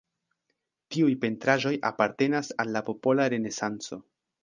Tiuj pentraĵoj apartenas al la popola renesanco.